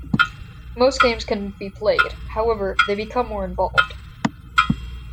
Most games can be played, however they become more involved.